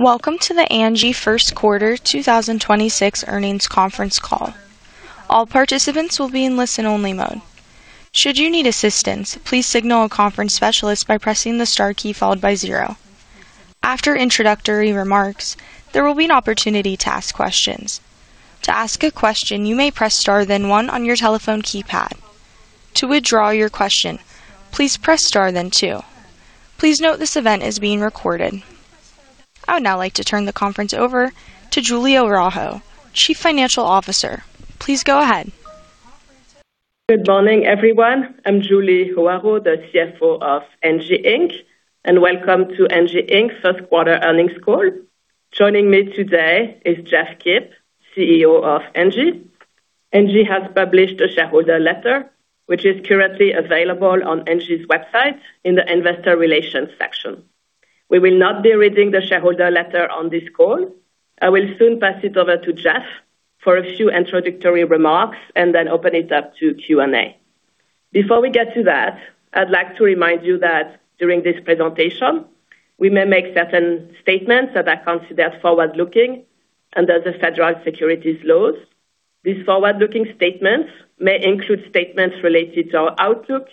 Welcome to the Angi first quarter 2026 earnings conference call. All participants will be in listen-only mode. Should you need assistance, please signal a conference specialist by pressing the star key followed by zero. After introductory remarks, there will be an opportunity to ask questions. To ask a question, you may press star then one on your telephone keypad. To withdraw your question, please press Star then two. Please note this event is being recorded. I would now like to turn the conference over to Julie Hoarau, Chief Financial Officer. Please go ahead. Good morning, everyone. I'm Julie Hoarau, the CFO of Angi Inc. Welcome to Angi Inc.'s first quarter earnings call. Joining me today is Jeff Kip, CEO of Angi. Angi has published a shareholder letter, which is currently available on Angi's website in the investor relations section. We will not be reading the shareholder letter on this call. I will soon pass it over to Jeff for a few introductory remarks and then open it up to Q&A. Before we get to that, I'd like to remind you that during this presentation, we may make certain statements that are considered forward-looking under the federal securities laws. These forward-looking statements may include statements related to our outlook,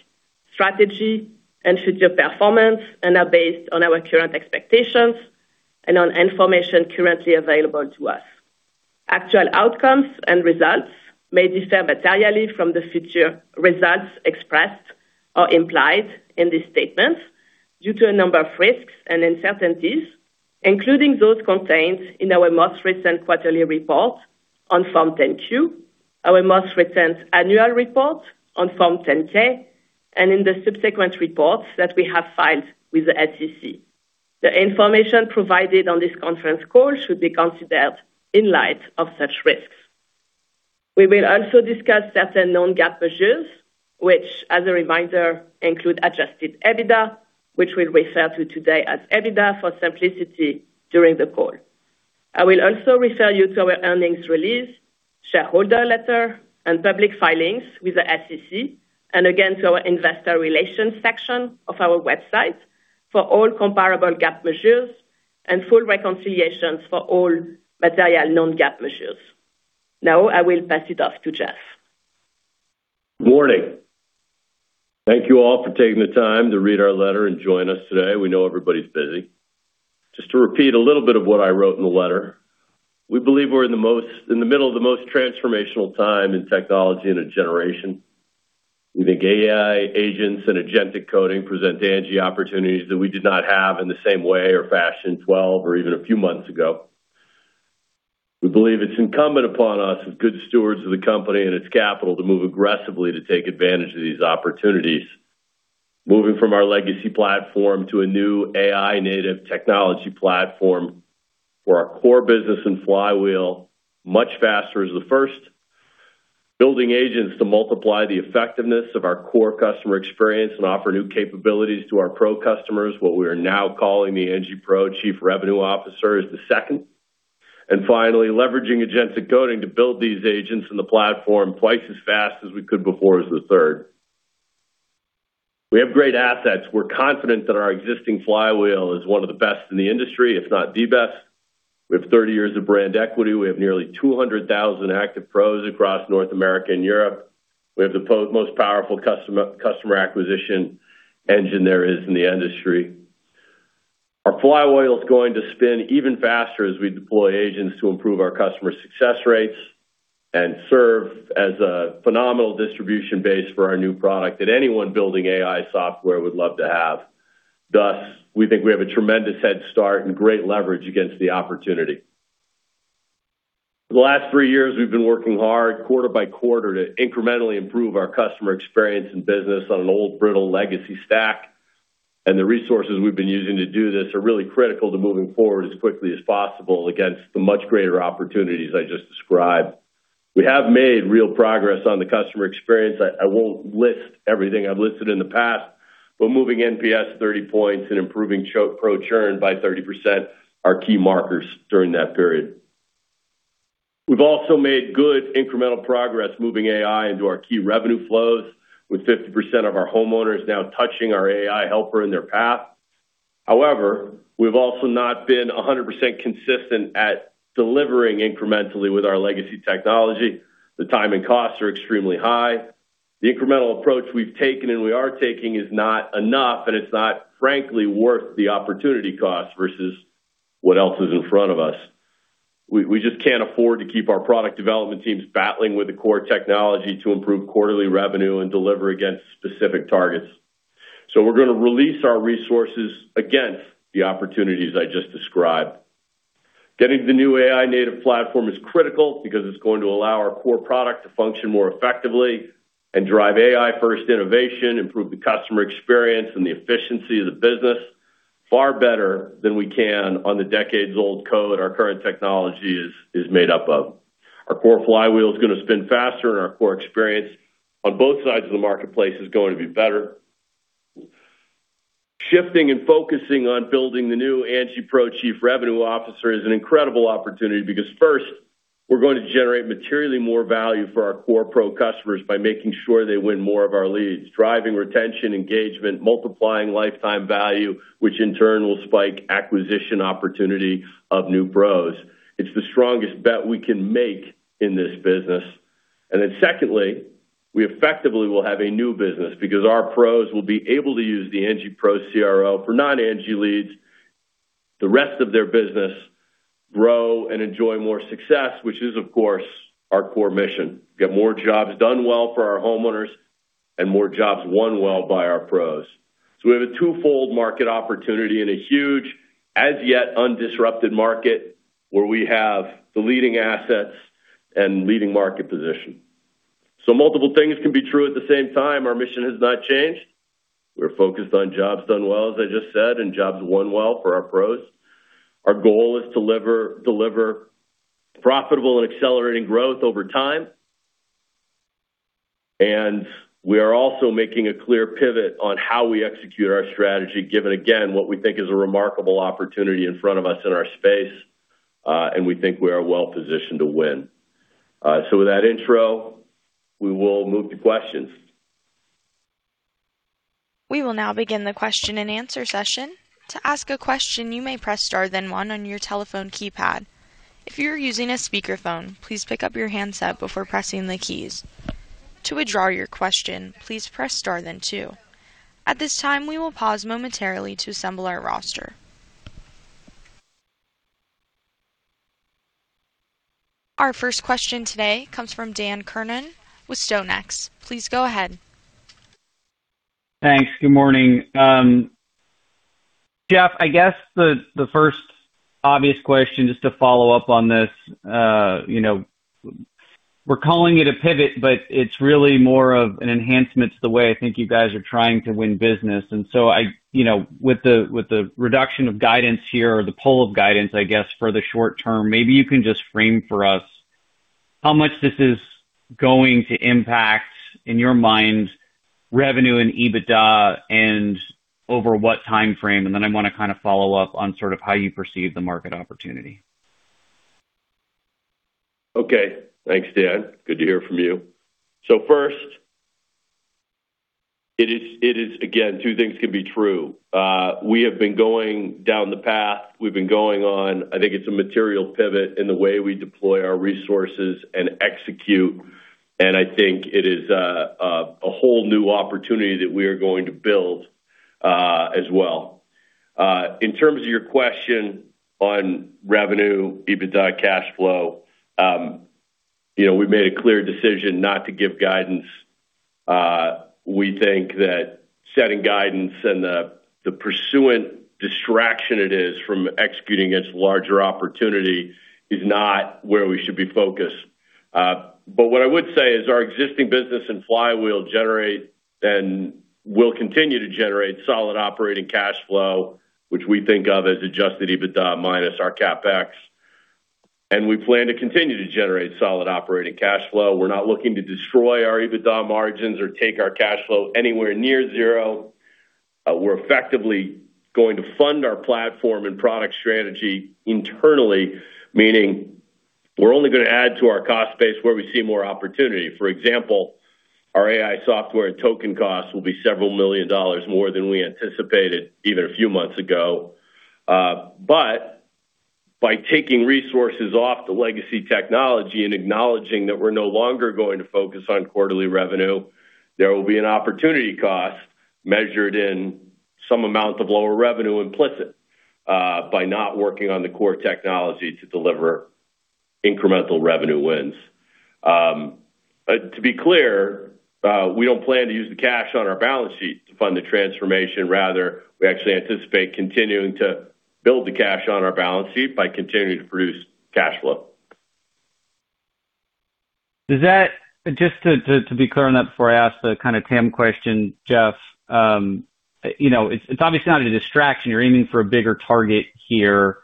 strategy, and future performance and are based on our current expectations and on information currently available to us. Actual outcomes and results may differ materially from the future results expressed or implied in these statements due to a number of risks and uncertainties, including those contained in our most recent quarterly report on Form 10-Q, our most recent annual report on Form 10-K, and in the subsequent reports that we have filed with the SEC. The information provided on this conference call should be considered in light of such risks. We will also discuss certain non-GAAP measures, which, as a reminder, include Adjusted EBITDA, which we'll refer to today as EBITDA for simplicity during the call. I will also refer you to our earnings release, shareholder letter, and public filings with the SEC, and again to our investor relations section of our website for all comparable GAAP measures and full reconciliations for all material non-GAAP measures. Now I will pass it off to Jeff. Good morning. Thank you all for taking the time to read our letter and join us today. We know everybody's busy. Just to repeat a little bit of what I wrote in the letter, we believe we're in the middle of the most transformational time in technology in a generation. We think AI agents and agentic coding present Angi opportunities that we did not have in the same way or fashion 12 or even a few months ago. We believe it's incumbent upon us as good stewards of the company and its capital to move aggressively to take advantage of these opportunities. Moving from our legacy platform to a new AI native technology platform for our core business and flywheel much faster is the first. Building agents to multiply the effectiveness of our core customer experience and offer new capabilities to our pro customers, what we are now calling the Angi Pro Chief Revenue Officer, is the second. Finally, leveraging agentic coding to build these agents in the platform twice as fast as we could before is the third. We have great assets. We're confident that our existing flywheel is one of the best in the industry, if not the best. We have 30 years of brand equity. We have nearly 200,000 active pros across North America and Europe. We have the most powerful customer acquisition engine there is in the industry. Our flywheel is going to spin even faster as we deploy agents to improve our customer success rates and serve as a phenomenal distribution base for our new product that anyone building AI software would love to have. We think we have a tremendous head start and great leverage against the opportunity. For the last three years, we've been working hard quarter by quarter to incrementally improve our customer experience and business on an old, brittle legacy stack. The resources we've been using to do this are really critical to moving forward as quickly as possible against the much greater opportunities I just described. We have made real progress on the customer experience. I won't list everything I've listed in the past. Moving NPS 30 points and improving pro churn by 30% are key markers during that period. We've also made good incremental progress moving AI into our key revenue flows, with 50% of our homeowners now touching our AI helper in their path. We've also not been 100% consistent at delivering incrementally with our legacy technology. The time and costs are extremely high. The incremental approach we've taken and we are taking is not enough, and it's not frankly worth the opportunity cost versus what else is in front of us. We just can't afford to keep our product development teams battling with the core technology to improve quarterly revenue and deliver against specific targets. We're gonna release our resources against the opportunities I just described. Getting the new AI native platform is critical because it's going to allow our core product to function more effectively and drive AI-first innovation, improve the customer experience and the efficiency of the business far better than we can on the decades-old code our current technology is made up of. Our core flywheel is gonna spin faster, and our core experience on both sides of the marketplace is going to be better. Shifting and focusing on building the new Angi Pro Chief Revenue Officer is an incredible opportunity because, first, we're going to generate materially more value for our core pro customers by making sure they win more of our leads, driving retention, engagement, multiplying lifetime value, which in turn will spike acquisition opportunity of new pros. It's the strongest bet we can make in this business. Secondly, we effectively will have a new business because our pros will be able to use the Angi Pro CRO for non-Angi leads, the rest of their business, grow and enjoy more success, which is, of course, our core mission. Get more jobs done well for our homeowners and more jobs won well by our pros. We have a twofold market opportunity and a huge as yet undisrupted market where we have the leading assets and leading market position. Multiple things can be true at the same time. Our mission has not changed. We're focused on jobs done well, as I just said, and jobs won well for our pros. Our goal is deliver profitable and accelerating growth over time. We are also making a clear pivot on how we execute our strategy, given again, what we think is a remarkable opportunity in front of us in our space, and we think we are well positioned to win. With that intro, we will move to questions. We will now begin question-and-answer session to ask question you may press star and one on your telephone keypad if you are using speaker phone pick up your handset before pressing any key. To withdraw your question press star then two at this time we will pause momentarily to assemble ourselves. Our first question today comes from Daniel Kurnos with StoneX. Please go ahead. Thanks. Good morning. Jeff, I guess the first obvious question, just to follow up on this, you know, we're calling it a pivot, but it's really more of an enhancement to the way I think you guys are trying to win business. You know, with the, with the reduction of guidance here or the pull of guidance, I guess, for the short term, maybe you can just frame for us how much this is going to impact, in your mind, revenue and EBITDA and over what timeframe. I wanna kind of follow up on sort of how you perceive the market opportunity. Okay. Thanks, Dan. Good to hear from you. First, it is again, two things can be true. We have been going down the path we've been going on. I think it's a material pivot in the way we deploy our resources and execute, and I think it is a whole new opportunity that we are going to build as well. In terms of your question on revenue, EBITDA, cash flow, you know, we made a clear decision not to give guidance. We think that setting guidance and the pursuant distraction it is from executing against larger opportunity is not where we should be focused. What I would say is our existing business and flywheel generate and will continue to generate solid operating cash flow, which we think of as adjusted EBITDA minus our CapEx. We plan to continue to generate solid operating cash flow. We're not looking to destroy our EBITDA margins or take our cash flow anywhere near zero. We're effectively going to fund our platform and product strategy internally, meaning we're only gonna add to our cost base where we see more opportunity. For example, our AI software and token costs will be several million dollars more than we anticipated even a few months ago. By taking resources off the legacy technology and acknowledging that we're no longer going to focus on quarterly revenue, there will be an opportunity cost measured in some amount of lower revenue implicit by not working on the core technology to deliver incremental revenue wins. To be clear, we don't plan to use the cash on our balance sheet to fund the transformation. Rather, we actually anticipate continuing to build the cash on our balance sheet by continuing to produce cash flow. Does just to be clear on that before I ask the kind of TAM question, Jeff, you know, it's obviously not a distraction. You're aiming for a bigger target here.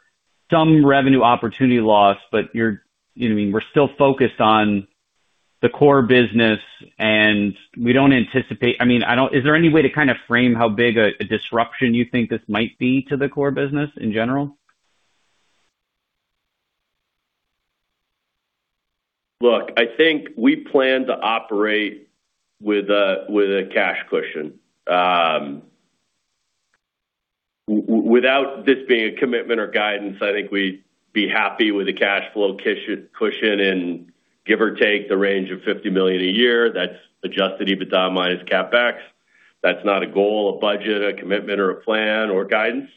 Some revenue opportunity loss, but you know what I mean, we're still focused on the core business, and we don't anticipate I mean, is there any way to kind of frame how big a disruption you think this might be to the core business in general? Look, I think we plan to operate with a cash cushion. Without this being a commitment or guidance, I think we'd be happy with a cash flow cushion and give or take the range of $50 million a year. That's Adjusted EBITDA minus CapEx. That's not a goal, a budget, a commitment, or a plan or guidance,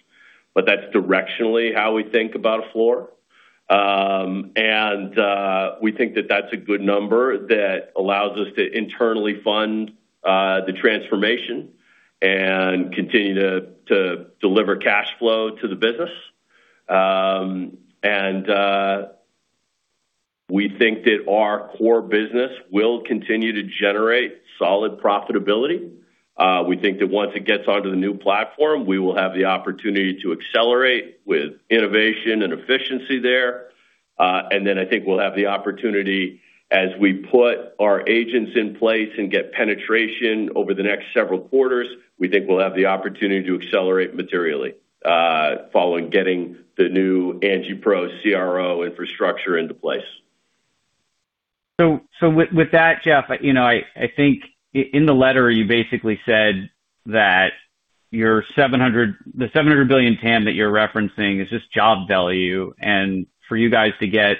but that's directionally how we think about a floor. We think that that's a good number that allows us to internally fund the transformation and continue to deliver cash flow to the business. We think that our core business will continue to generate solid profitability. We think that once it gets onto the new platform, we will have the opportunity to accelerate with innovation and efficiency there. I think we'll have the opportunity as we put our agents in place and get penetration over the next several quarters. We think we'll have the opportunity to accelerate materially, following getting the new Angi Pro CRO infrastructure into place. With, with that, Jeff, I think in the letter, you basically said that your $700 billion TAM that you're referencing is just job value. For you guys to get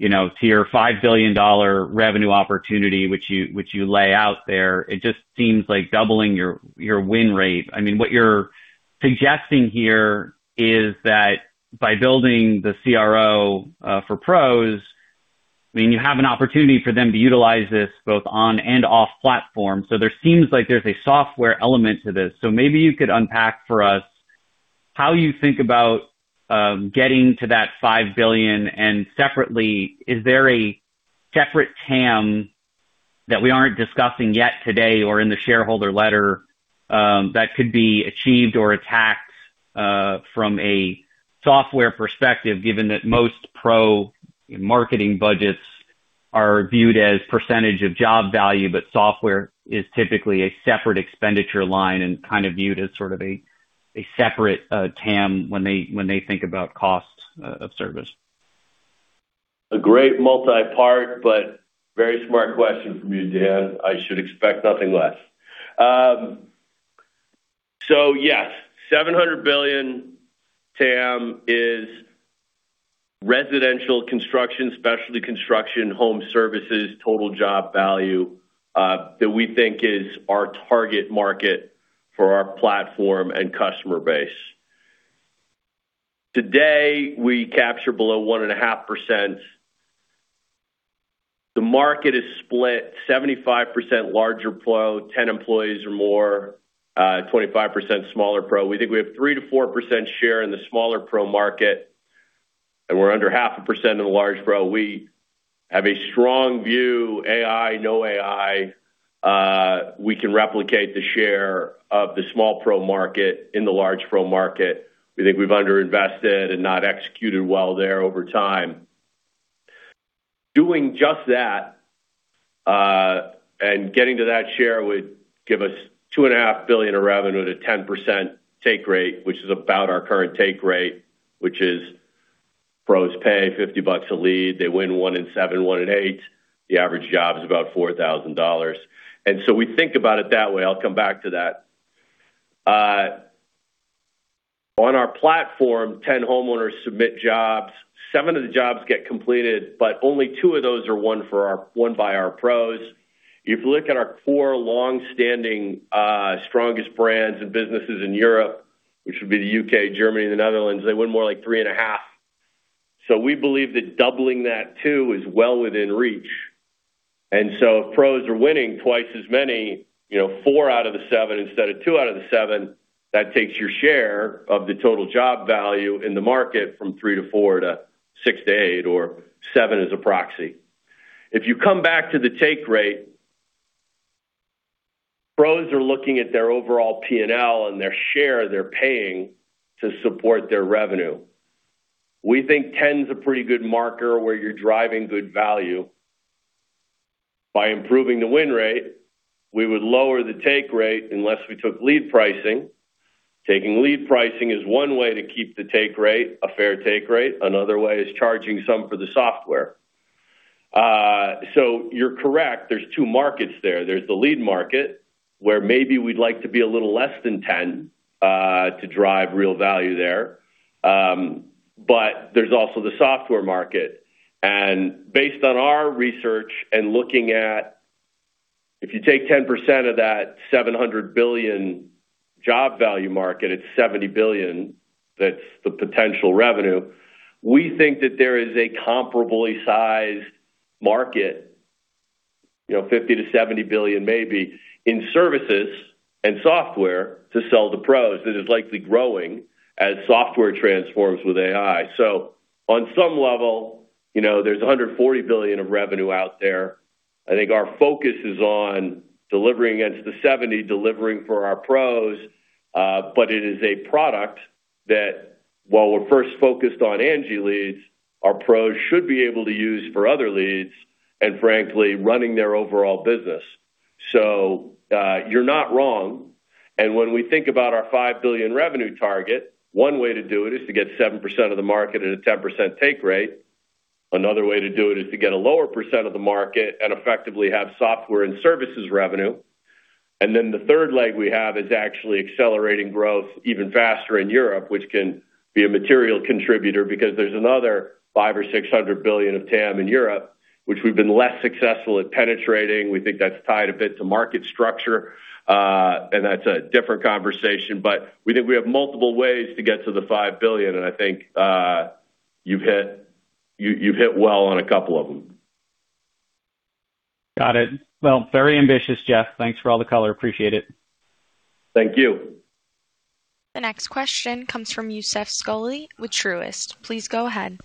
to your $5 billion revenue opportunity, which you lay out there, it just seems like doubling your win rate. I mean, what you're suggesting here is that by building the CRO for pros, I mean, you have an opportunity for them to utilize this both on and off platform. There seems like there's a software element to this. Maybe you could unpack for us how you think about getting to that $5 billion. Separately, is there a separate TAM that we aren't discussing yet today or in the shareholder letter, that could be achieved or attacked from a software perspective, given that most pro marketing budgets are viewed as percentage of job value, but software is typically a separate expenditure line and kind of viewed as a separate TAM when they think about costs of service. A great multi-part, but very smart question from you, Dan. I should expect nothing less. Yes, $700 billion TAM is residential construction, specialty construction, home services, total job value, that we think is our target market for our platform and customer base. Today, we capture below 1.5%. The market is split 75% larger pro, 10 employees or more, 25% smaller pro. We think we have 3%-4% share in the smaller pro market, and we're under 0.5% in the large pro. We have a strong view, AI, no AI, we can replicate the share of the small pro market in the large pro market. We think we've underinvested and not executed well there over time. Doing just that, and getting to that share would give us $2.5 billion of revenue at a 10% take rate, which is about our current take rate, which is pros pay $50 a lead. They win one in seven, one in eight. The average job is about $4,000. We think about it that way. I'll come back to that. On our platform, 10 homeowners submit jobs. seven of the jobs get completed, but only two of those are won by our pros. If you look at our four longstanding, strongest brands and businesses in Europe, which would be the U.K., Germany, and the Netherlands, they win more like 3.5. We believe that doubling that two is well within reach. If pros are winning twice as many, you know, four out of the seven instead of two out of the seven, that takes your share of the total job value in the market from three to four to six to eight or seven as a proxy. If you come back to the take rate, pros are looking at their overall P&L and their share they're paying to support their revenue. We think 10's a pretty good marker where you're driving good value. By improving the win rate, we would lower the take rate unless we took lead pricing. Taking lead pricing is one way to keep the take rate a fair take rate. Another way is charging some for the software. You're correct. There's two markets there. There's the lead market, where maybe we'd like to be a little less than 10, to drive real value there. There's also the software market. Based on our research and looking at if you take 10% of that $700 billion job value market, it's $70 billion, that's the potential revenue. We think that there is a comparably sized market, you know, $50 billion-$70 billion maybe, in services and software to sell to pros that is likely growing as software transforms with AI. On some level, you know, there's $140 billion of revenue out there. I think our focus is on delivering against the $70 billion, delivering for our pros. It is a product that while we're first focused on Angi Leads, our pros should be able to use for other leads and frankly, running their overall business. You're not wrong. When we think about our $5 billion revenue target, one way to do it is to get 7% of the market at a 10% take rate. Another way to do it is to get a lower percent of the market and effectively have software and services revenue. The third leg we have is actually accelerating growth even faster in Europe, which can be a material contributor because there's another $500 billion or $600 billion of TAM in Europe, which we've been less successful at penetrating. We think that's tied a bit to market structure, and that's a different conversation. We think we have multiple ways to get to the $5 billion, and I think you've hit well on a couple of them. Got it. Well, very ambitious, Jeff. Thanks for all the color. Appreciate it. Thank you. The next question comes from Youssef Squali with Truist. Please go ahead.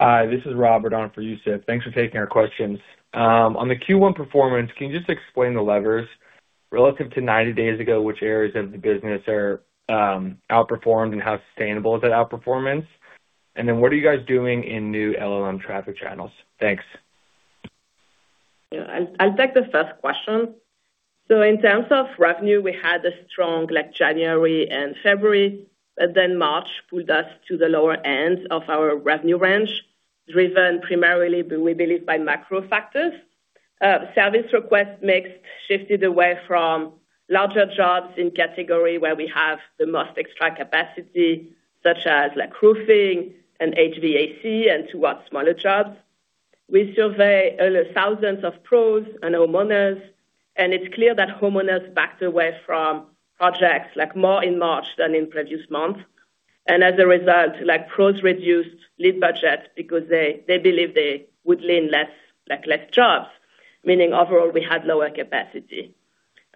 Hi, this is Robert on for Youssef. Thanks for taking our questions. On the Q1 performance, can you just explain the levers relative to 90 days ago, which areas of the business are outperformed, and how sustainable is that outperformance? What are you guys doing in new LLM traffic channels? Thanks. I'll take the first question. In terms of revenue, we had a strong like January and February, but then March pulled us to the lower end of our revenue range, driven primarily, we believe, by macro factors. Service request mix shifted away from larger jobs in category where we have the most extra capacity, such as like roofing and HVAC, and towards smaller jobs. We survey thousands of pros and homeowners, and it's clear that homeowners backed away from projects like more in March than in previous months. As a result, like pros reduced lead budget because they believe they would land less jobs, meaning overall we had lower capacity.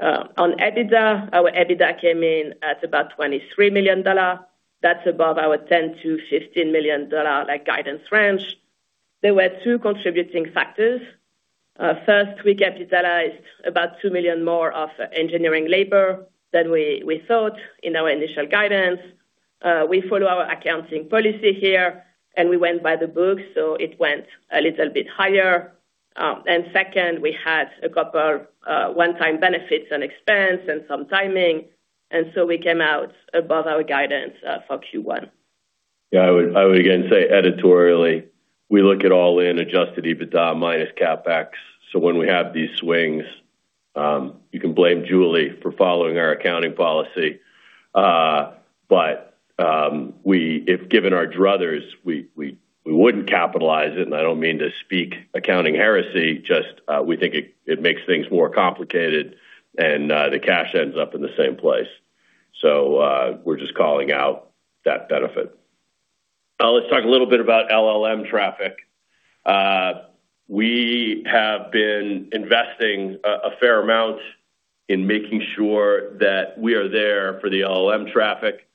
On EBITDA, our EBITDA came in at about $23 million. That's above our $10 million-$15 million guidance range. There were two contributing factors. First, we capitalized about $2 million more of engineering labor than we thought in our initial guidance. We follow our accounting policy here, and we went by the book, so it went a little bit higher. Second, we had a couple one-time benefits and expense and some timing, and so we came out above our guidance for Q1. I would again say editorially, we look at all in Adjusted EBITDA minus CapEx. When we have these swings, you can blame Julie for following our accounting policy. If given our druthers, we wouldn't capitalize it, and I don't mean to speak accounting heresy, just, we think it makes things more complicated and the cash ends up in the same place. We're just calling out that benefit. Let's talk a little bit about LLM traffic. We have been investing a fair amount in making sure that we are there for the LLM traffic.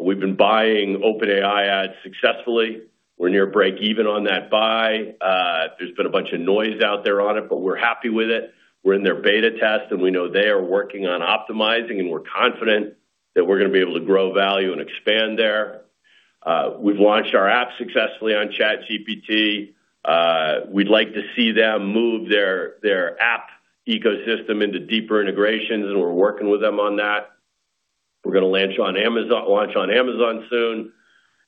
We've been buying OpenAI ads successfully. We're near break even on that buy. There's been a bunch of noise out there on it, but we're happy with it. We're in their beta test, and we know they are working on optimizing, and we're confident that we're going to be able to grow value and expand there. We've launched our app successfully on ChatGPT. We'd like to see them move their app ecosystem into deeper integrations, and we're working with them on that. We're going to launch on Amazon soon,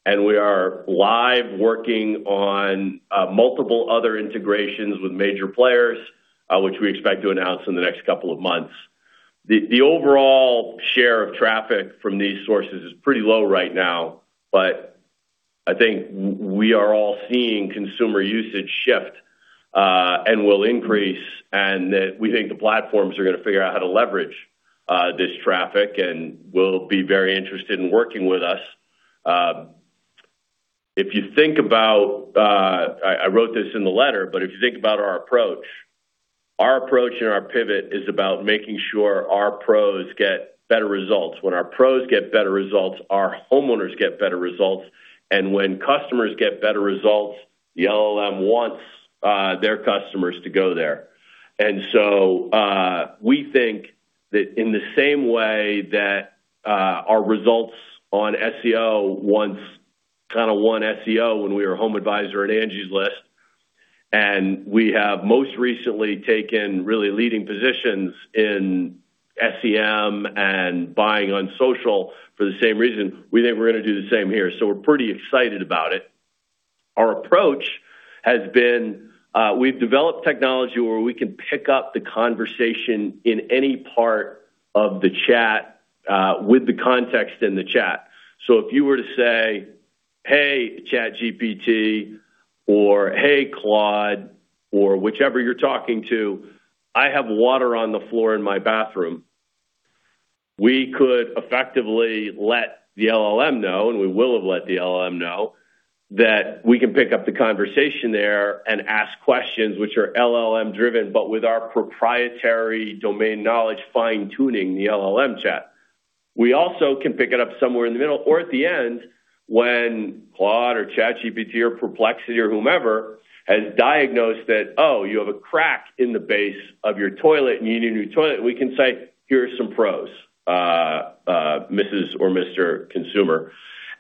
and we are live working on multiple other integrations with major players, which we expect to announce in the next two months. The overall share of traffic from these sources is pretty low right now, but I think we are all seeing consumer usage shift, and will increase, and that we think the platforms are going to figure out how to leverage this traffic and will be very interested in working with us. If you think about, I wrote this in the letter, but if you think about our approach, our approach and our pivot is about making sure our pros get better results. When our pros get better results, our homeowners get better results. When customers get better results, the LLM wants their customers to go there. We think that in the same way that our results on SEO once kinda won SEO when we were HomeAdvisor and Angie's List, and we have most recently taken really leading positions in SEM and buying on social for the same reason, we think we're gonna do the same here. We're pretty excited about it. Our approach has been, we've developed technology where we can pick up the conversation in any part of the chat, with the context in the chat. If you were to say, "Hey, ChatGPT," or, "Hey, Claude," or whichever you're talking to, "I have water on the floor in my bathroom," we could effectively let the LLM know, and we will have let the LLM know, that we can pick up the conversation there and ask questions which are LLM-driven, but with our proprietary domain knowledge fine-tuning the LLM chat. We also can pick it up somewhere in the middle or at the end when Claude or ChatGPT or Perplexity or whomever has diagnosed that, oh, you have a crack in the base of your toilet and you need a new toilet. We can say, "Here are some pros, Mrs. or Mr. Consumer,"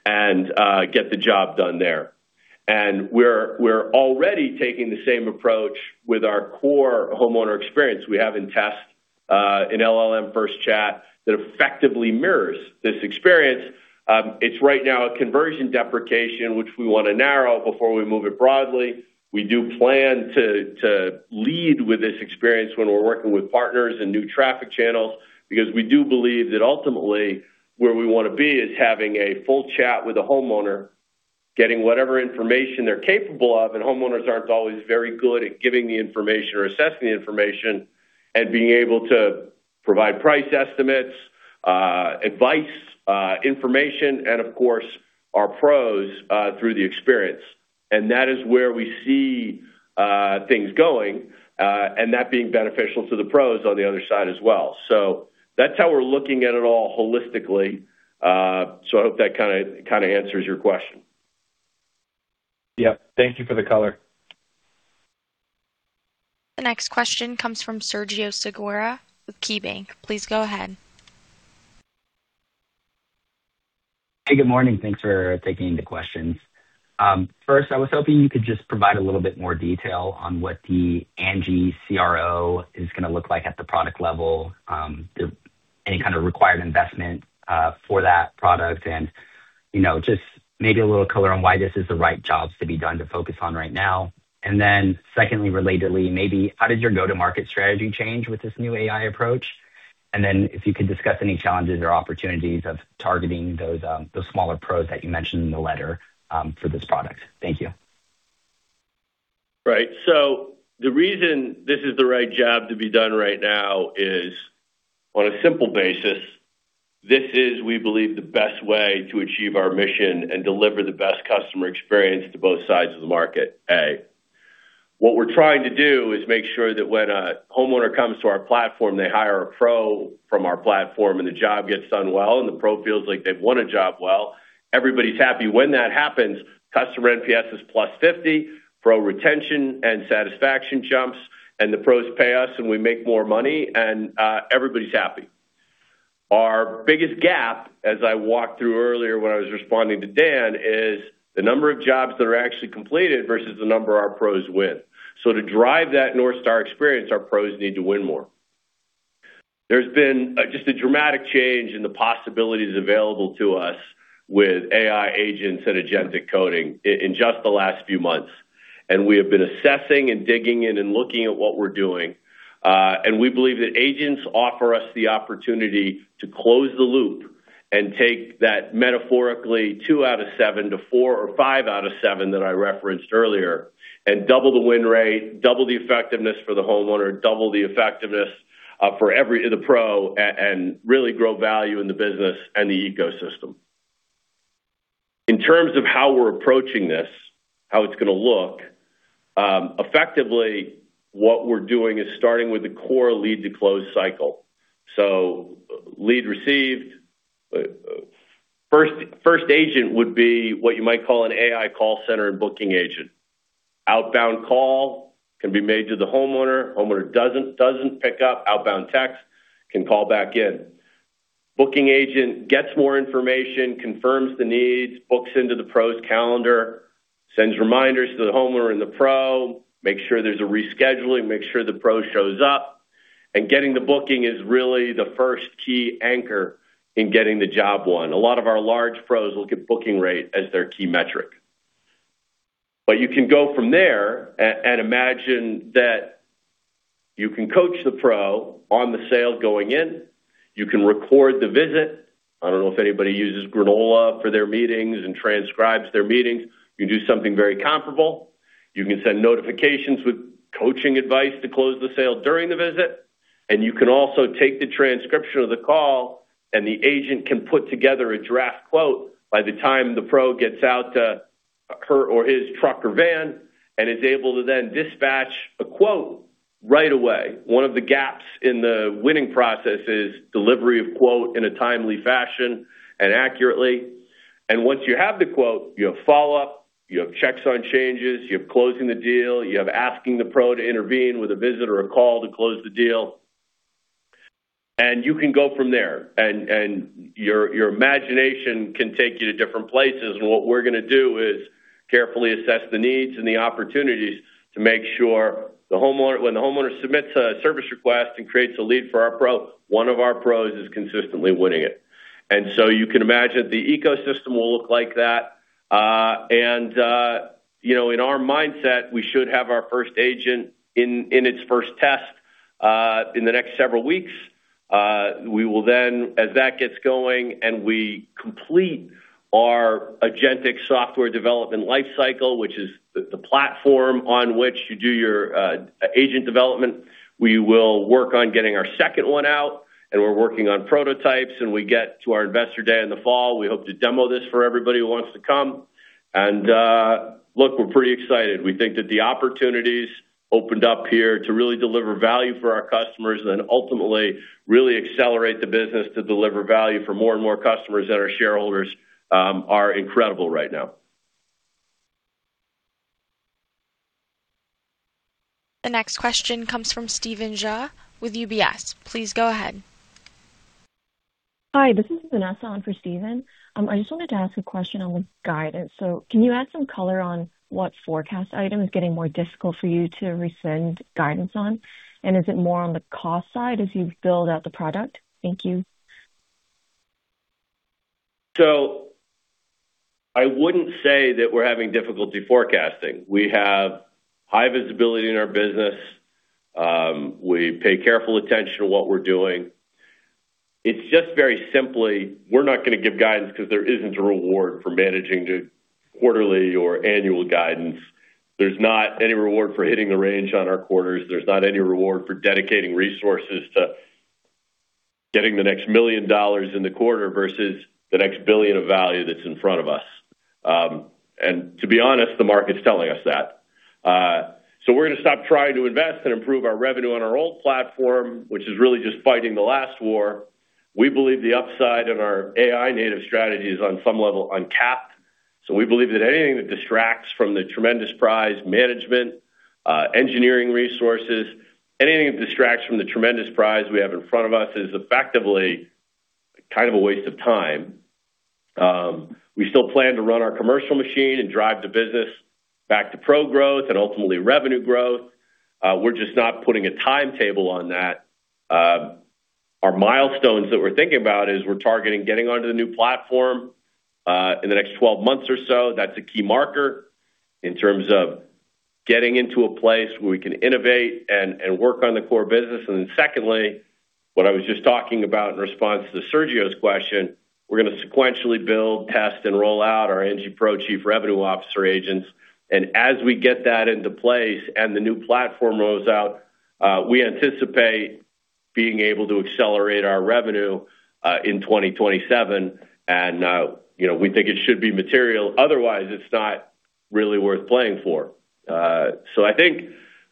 and get the job done there. We're already taking the same approach with our core homeowner experience. We have in test, an LLM first chat that effectively mirrors this experience. It's right now a conversion deprecation, which we wanna narrow before we move it broadly. We do plan to lead with this experience when we're working with partners and new traffic channels because we do believe that ultimately where we wanna be is having a full chat with a homeowner, getting whatever information they're capable of, and homeowners aren't always very good at giving the information or assessing the information and being able to provide price estimates, advice, information and of course, our pros through the experience. That is where we see things going, and that being beneficial to the pros on the other side as well. That's how we're looking at it all holistically. I hope that kinda answers your question. Yep. Thank you for the color. The next question comes from Sergio Segura with KeyBanc. Please go ahead. Hey, good morning. Thanks for taking the questions. first, I was hoping you could just provide a little bit more detail on what the Angi CRO is gonna look like at the product level, the any kind of required investment for that product and, you know, just maybe a little color on why this is the right jobs to be done to focus on right now. secondly, relatedly, maybe how did your go-to-market strategy change with this new AI approach? if you could discuss any challenges or opportunities of targeting those smaller pros that you mentioned in the letter for this product. Thank you. Right. The reason this is the right job to be done right now is, on a simple basis, this is, we believe, the best way to achieve our mission and deliver the best customer experience to both sides of the market. What we're trying to do is make sure that when a homeowner comes to our platform, they hire a pro from our platform, and the job gets done well, and the pro feels like they've won a job well, everybody's happy. When that happens, customer NPS is +50, pro retention and satisfaction jumps, and the pros pay us, and we make more money, and everybody's happy. Our biggest gap, as I walked through earlier when I was responding to Dan, is the number of jobs that are actually completed versus the number our pros win. To drive that North Star experience, our pros need to win more. There's been just a dramatic change in the possibilities available to us with AI agents and agentic coding in just the last few months. We have been assessing and digging in and looking at what we're doing. We believe that agents offer us the opportunity to close the loop and take that metaphorically two out of seven to four or five out of seven that I referenced earlier, and double the win rate, double the effectiveness for the homeowner, double the effectiveness for the pro and really grow value in the business and the ecosystem. In terms of how we're approaching this, how it's gonna look, effectively, what we're doing is starting with the core lead to close cycle. Lead received. First agent would be what you might call an AI call center and booking agent. Outbound call can be made to the homeowner. Homeowner doesn't pick up. Outbound text can call back in. Booking agent gets more information, confirms the needs, books into the pro's calendar, sends reminders to the homeowner and the pro, makes sure there's a rescheduling, makes sure the pro shows up. Getting the booking is really the first key anchor in getting the job one. A lot of our large pros look at booking rate as their key metric. You can go from there and imagine that you can coach the pro on the sale going in. You can record the visit. I don't know if anybody uses Granola for their meetings and transcribes their meetings. You can do something very comparable. You can send notifications with coaching advice to close the sale during the visit, and you can also take the transcription of the call, and the agent can put together a draft quote by the time the pro gets out to her or his truck or van and is able to then dispatch a quote right away. 1 of the gaps in the winning process is delivery of quote in a timely fashion and accurately. Once you have the quote, you have follow-up, you have checks on changes, you have closing the deal, you have asking the pro to intervene with a visit or a call to close the deal. You can go from there and your imagination can take you to different places. What we're gonna do is carefully assess the needs and the opportunities to make sure when the homeowner submits a service request and creates a lead for our pro, one of our pros is consistently winning it. You know, in our mindset, we should have our first agent in its first test, in the next several weeks. We will then, as that gets going and we complete our agentic software development life cycle, which is the platform on which you do your agent development, we will work on getting our second one out, and we're working on prototypes, and we get to our investor day in the fall. We hope to demo this for everybody who wants to come. Look, we're pretty excited. We think that the opportunities opened up here to really deliver value for our customers and ultimately really accelerate the business to deliver value for more and more customers that are shareholders, are incredible right now. The next question comes from Stephen Ju with UBS. Please go ahead. Hi, this is Vanessa on for Stephen. I just wanted to ask a question on the guidance. Can you add some color on what forecast item is getting more difficult for you to rescind guidance on? Is it more on the cost side as you build out the product? Thank you. I wouldn't say that we're having difficulty forecasting. We have high visibility in our business. We pay careful attention to what we're doing. It's just very simply, we're not gonna give guidance because there isn't a reward for managing to quarterly or annual guidance. There's not any reward for hitting the range on our quarters. There's not any reward for dedicating resources to getting the next $1 million in the quarter versus the next $1 billion of value that's in front of us. To be honest, the market's telling us that. We're gonna stop trying to invest and improve our revenue on our old platform, which is really just fighting the last war. We believe the upside in our AI native strategy is on some level uncapped. We believe that anything that distracts from the tremendous prize management, engineering resources, anything that distracts from the tremendous prize we have in front of us is effectively kind of a waste of time. We still plan to run our commercial machine and drive the business back to pro growth and ultimately revenue growth. We're just not putting a timetable on that. Our milestones that we're thinking about is we're targeting getting onto the new platform in the next 12 months or so. That's a key marker in terms of getting into a place where we can innovate and work on the core business. Secondly, what I was just talking about in response to Sergio's question, we're gonna sequentially build, test, and roll out our Angi Pro Chief Revenue Officer agents. As we get that into place and the new platform rolls out, we anticipate being able to accelerate our revenue in 2027. you know, we think it should be material, otherwise it's not really worth playing for. I think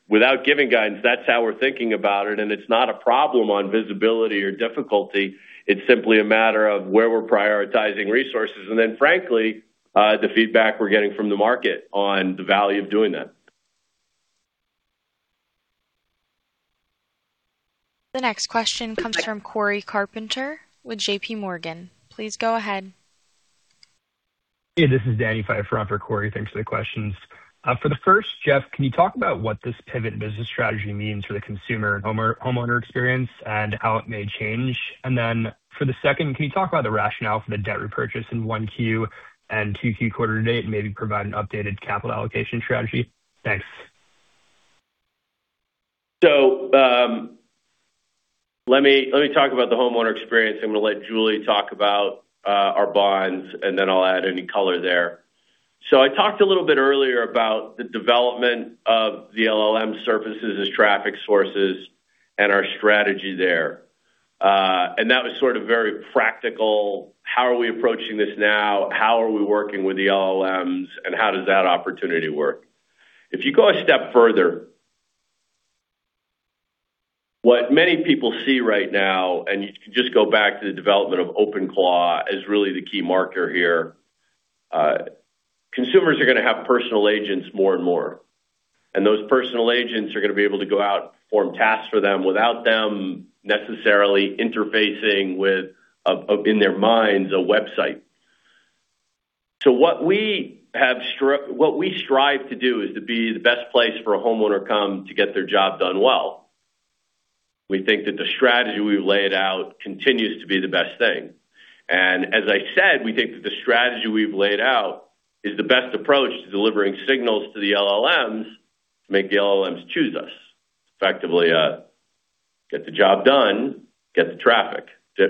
without giving guidance, that's how we're thinking about it, and it's not a problem on visibility or difficulty. It's simply a matter of where we're prioritizing resources, and frankly, the feedback we're getting from the market on the value of doing that. The next question comes from Cory Carpenter with JPMorgan. Please go ahead. Hey, this is Danny Pfeiffer for Cory. Thanks for the questions. For the first, Jeff, can you talk about what this pivot business strategy means for the consumer and homeowner experience and how it may change? Then for the second, can you talk about the rationale for the debt repurchase in 1Q and 2Q quarter-to-date, and maybe provide an updated capital allocation strategy? Thanks. Let me talk about the homeowner experience. I'm gonna let Julie talk about our bonds, and then I'll add any color there. I talked a little bit earlier about the development of the LLM surfaces as traffic sources and our strategy there. That was sort of very practical. How are we approaching this now? How are we working with the LLMs, and how does that opportunity work? If you go a step further, what many people see right now, and you can just go back to the development of OpenClaw as really the key marker here. Consumers are gonna have personal agents more and more, and those personal agents are gonna be able to go out, perform tasks for them without them necessarily interfacing with a, in their minds, a website. What we strive to do is to be the best place for a homeowner come to get their job done well. We think that the strategy we've laid out continues to be the best thing. As I said, we think that the strategy we've laid out is the best approach to delivering signals to the LLMs to make the LLMs choose us. Effectively, get the job done, get the traffic.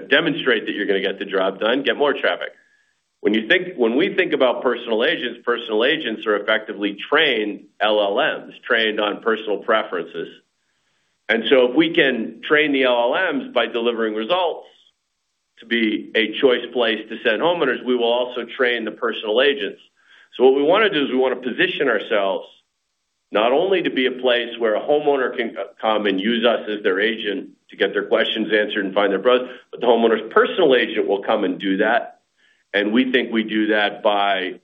Demonstrate that you're gonna get the job done, get more traffic. When we think about personal agents, personal agents are effectively trained LLMs, trained on personal preferences. If we can train the LLMs by delivering results to be a choice place to send homeowners, we will also train the personal agents. What we wanna do is we wanna position ourselves not only to be a place where a homeowner can come and use us as their agent to get their questions answered and find their pros, but the homeowner's personal agent will come and do that. We think we do that by,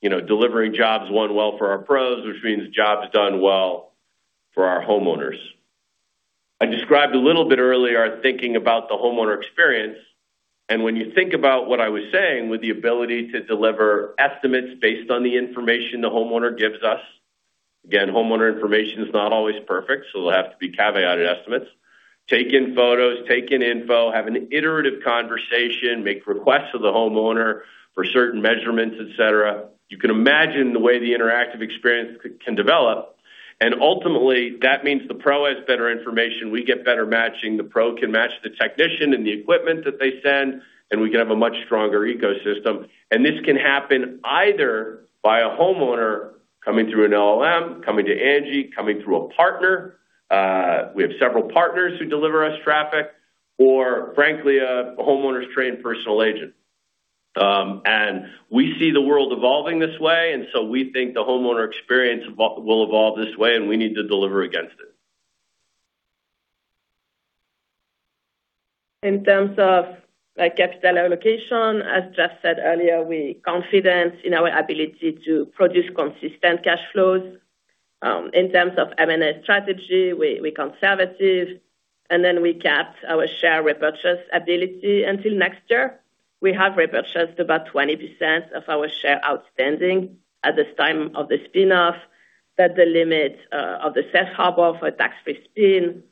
you know, delivering jobs well for our pros, which means jobs done well for our homeowners. I described a little bit earlier our thinking about the homeowner experience, and when you think about what I was saying with the ability to deliver estimates based on the information the homeowner gives us, again, homeowner information is not always perfect, so there'll have to be caveated estimates. Take in photos, take in info, have an iterative conversation, make requests of the homeowner for certain measurements, et cetera. You can imagine the way the interactive experience can develop. Ultimately, that means the pro has better information. We get better matching. The pro can match the technician and the equipment that they send, and we can have a much stronger ecosystem. This can happen either by a homeowner coming through an LLM, coming to Angi, coming through a partner. We have several partners who deliver us traffic, or frankly, a homeowner's trained personal agent. We see the world evolving this way, we think the homeowner experience will evolve this way, and we need to deliver against it. In terms of, like, capital allocation, as Jeff said earlier, we're confident in our ability to produce consistent cash flows. In terms of M&A strategy, we're conservative, we capped our share repurchase ability until next year. We have repurchased about 20% of our share outstanding at the time of the spin-off. That's the limit of the safe harbor for tax-free spin,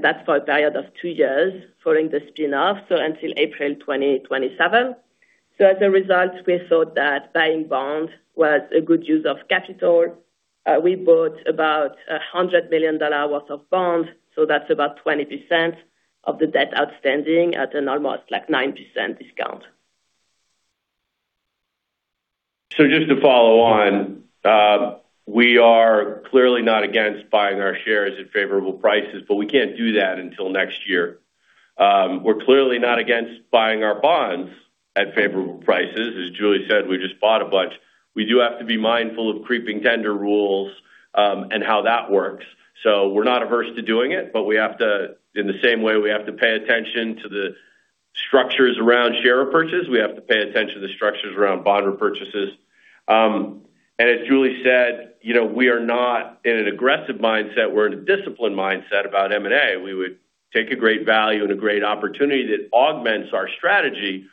that's for a period of two years following the spin-off, until April 2027. As a result, we thought that buying bonds was a good use of capital. We bought about $100 million worth of bonds, that's about 20% of the debt outstanding at an almost, like, 9% discount. Just to follow on, we are clearly not against buying our shares at favorable prices, but we can't do that until next year. We're clearly not against buying our bonds at favorable prices. As Julie said, we just bought a bunch. We do have to be mindful of creeping tender rules, and how that works. We're not averse to doing it, but we have to in the same way we have to pay attention to the structures around share repurchases, we have to pay attention to structures around bond repurchases. As Julie said, you know, we are not in an aggressive mindset. We're in a disciplined mindset about M&A. We would take a great value and a great opportunity that augments our strategy,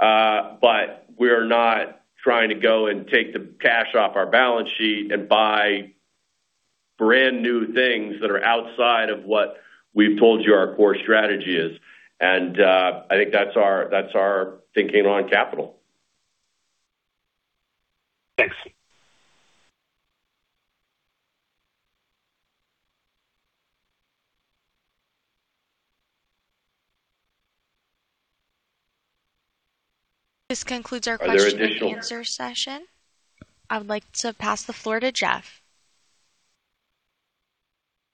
but we're not trying to go and take the cash off our balance sheet and buy brand-new things that are outside of what we've told you our core strategy is. I think that's our, that's our thinking on capital. Thanks. This concludes our question-and-answer session. I would like to pass the floor to Jeff.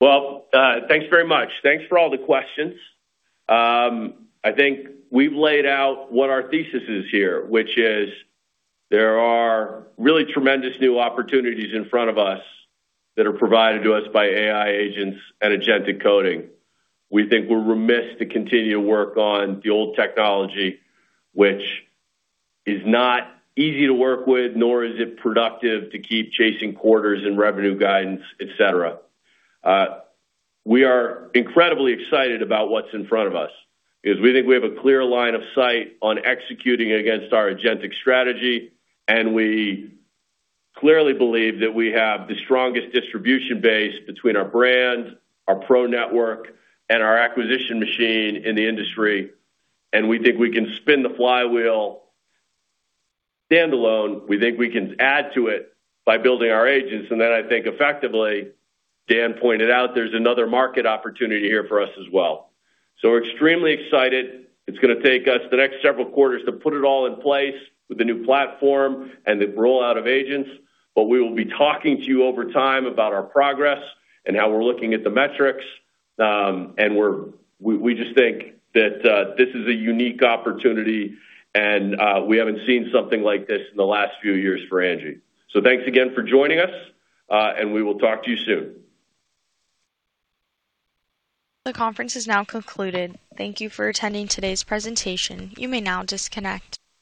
Well, thanks very much. Thanks for all the questions. I think we've laid out what our thesis is here, which is there are really tremendous new opportunities in front of us that are provided to us by AI agents and agentic coding. We think we're remiss to continue to work on the old technology, which is not easy to work with, nor is it productive to keep chasing quarters and revenue guidance, et cetera. We are incredibly excited about what's in front of us because we think we have a clear line of sight on executing against our agentic strategy, and we clearly believe that we have the strongest distribution base between our brand, our pro network, and our acquisition machine in the industry. We think we can spin the flywheel standalone. We think we can add to it by building our agents. I think effectively, Dan pointed out there's another market opportunity here for us as well. We're extremely excited. It's gonna take us the next several quarters to put it all in place with the new platform and the rollout of agents, but we will be talking to you over time about our progress and how we're looking at the metrics. We just think that this is a unique opportunity and we haven't seen something like this in the last few years for Angi. Thanks again for joining us, and we will talk to you soon. The conference is now concluded. Thank you for attending today's presentation. You may now disconnect.